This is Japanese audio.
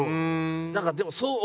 だからでもそう。